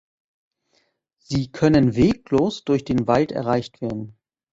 Sie können weglos durch den Wald erreicht werden.